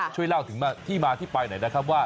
ช่วยเล่าถึงที่มาที่ไปหน่อยนะครับว่า